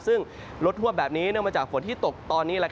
ซึ่งลดหวบแบบนี้เนื่องมาจากฝนที่ตกตอนนี้